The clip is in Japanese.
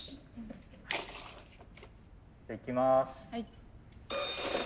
いきます。